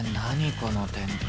この展開。